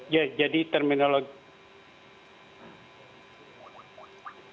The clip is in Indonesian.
ya jadi terminologi